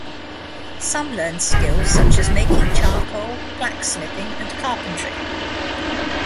Some learned skills such as making charcoal, blacksmithing and carpentry.